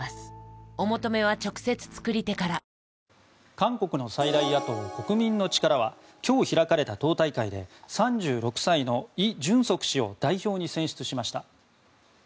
韓国の最大野党国民の力は今日開かれた党大会で３６歳のイ・ジュンソク氏を代表に選出しました。